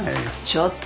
ちょっと。